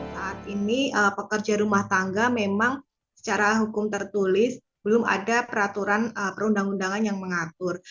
saat ini pekerja rumah tangga memang secara hukum tertulis belum ada peraturan perundang undangan yang mengatur